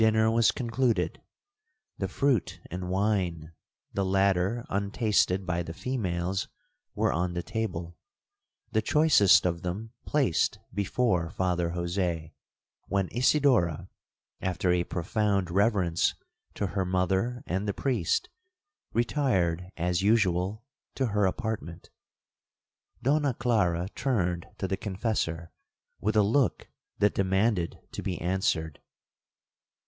Dinner was concluded; the fruit and wine, the latter untasted by the females, were on the table,—the choicest of them placed before Father Jose,—when Isidora, after a profound reverence to her mother and the priest, retired, as usual, to her apartment. Donna Clara turned to the confessor with a look that demanded to be answered.